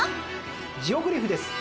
ジオグリフです。